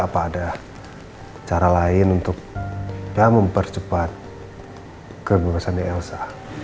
apa ada cara lain untuk mempercepat kebebasan di elsa